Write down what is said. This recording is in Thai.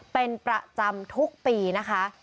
เป็นประจำทุกปีนะคะ